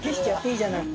いいじゃない。